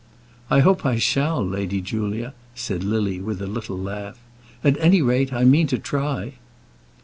"I hope I shall, Lady Julia," said Lily, with a little laugh; "at any rate I mean to try."